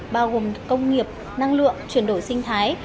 bao gồm công nghiệp năng lượng chuyển đổi sinh thái